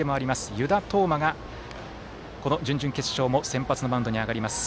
湯田統真がこの準々決勝も先発のマウンドに上がります。